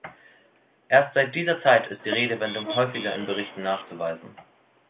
Erst seit dieser Zeit ist die Redewendung häufiger in Berichten nachzuweisen.